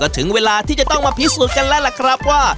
เสร็จยังคะ